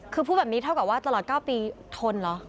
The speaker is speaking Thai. คือพูดแบบนี้เท่ากับว่าตลอด๙ปีทนเหรอ